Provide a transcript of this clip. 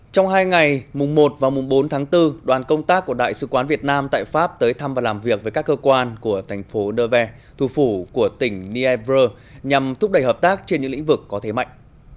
trong hai ngày mùng một và mùng bốn tháng bốn đoàn công tác của đại sứ quán việt nam tại pháp tới thăm và làm việc với các cơ quan của thành phố nevers thủ phủ của tỉnh niebre nhằm thúc đẩy hợp tác trên những lĩnh vực có thế mạnh